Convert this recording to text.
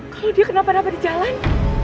kalo dia kenapa napa di jalan